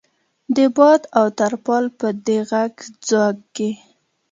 د باد او ترپال په دې غږ ځوږ کې.